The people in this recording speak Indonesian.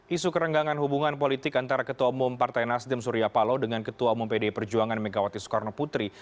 isu kerenggangan hubungan politik antara ketua umum partai nasdem surya paloh dengan ketua umum pdi perjuangan megawati soekarno putri